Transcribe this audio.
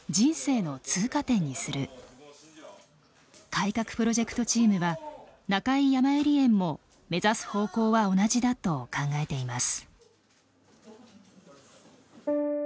改革プロジェクトチームは中井やまゆり園も目指す方向は同じだと考えています。